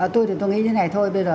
tôi thì tôi nghĩ như thế này thôi